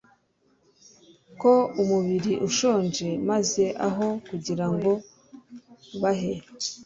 ko umubiri ushonje, maze aho kugira ngo bahe